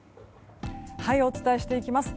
お伝えしていきます。